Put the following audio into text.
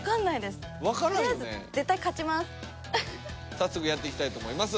早速やっていきたいと思います